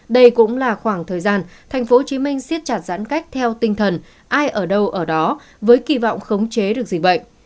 đây cũng là khoảng thời gian tp hcm siết chặt giãn cách theo tinh thần ai ở đâu ở đó với kỳ vọng khống chế được dịch bệnh